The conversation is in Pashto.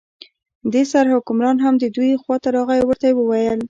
دې سره حکمران هم د دوی خواته راغی او ورته یې وویل.